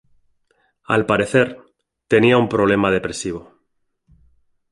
Al parecer, tenía un problema depresivo.